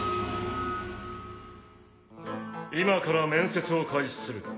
今から面接を開始する。